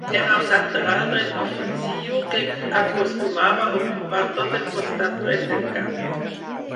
Era un lateral dret ofensiu, que acostumava a ocupar tot el costat dret del camp.